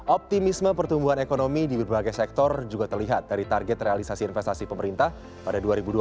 optimisme pertumbuhan ekonomi di berbagai sektor juga terlihat dari target realisasi investasi pemerintah pada dua ribu dua puluh